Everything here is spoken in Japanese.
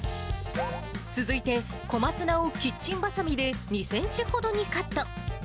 続いて、小松菜をキッチンばさみで２センチほどにカット。